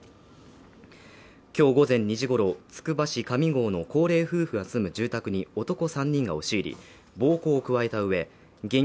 今日午前２時ごろつくば市上郷の高齢夫婦が住む住宅に男３人が押し入り暴行を加えた上現金